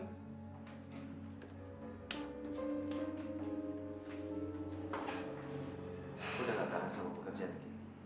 gue gak tahan sama pekerjaan ini